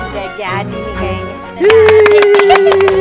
udah jadi nih kayaknya